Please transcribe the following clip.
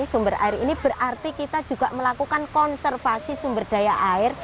sumber air ini berarti kita juga melakukan konservasi sumber daya air